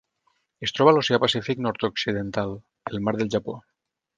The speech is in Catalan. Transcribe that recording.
Es troba a l'Oceà Pacífic nord-occidental: el Mar del Japó.